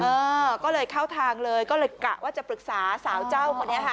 เออก็เลยเข้าทางเลยก็เลยกะว่าจะปรึกษาสาวเจ้าคนนี้ค่ะ